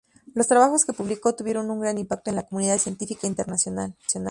Los trabajos que publicó tuvieron un gran impacto en la comunidad científica internacional.